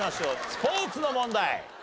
スポーツの問題。